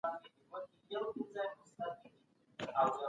څېړونکی د حقیقت په لټه کي ستړیا نه پیژني.